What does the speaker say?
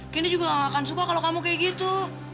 kini juga gak akan suka kalau kamu kayak gitu